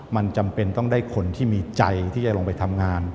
มันจำเป็นต้องได้คนที่มีใจที่จะลงไปทำงาน